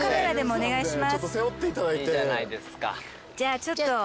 お願いします。